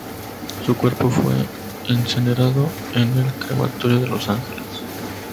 Su cuerpo fue incinerado en el crematorio de Los Ángeles.